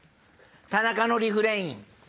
田中のリフレイン。